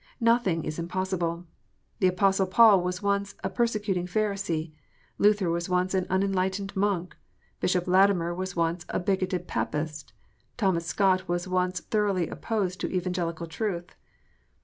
Nothing is impossible. The Apostle Paul was once a persecuting Pharisee ; Luther was once an unenlightened monk ; Bishop Latimer was once a bigoted Papist ; Thomas Scott was once thoroughly opposed to evangelical truth.